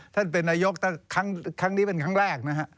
ท่านเป็นนายกครั้งนี้เป็นครั้งแรกนะฮะ